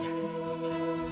adup lu yaw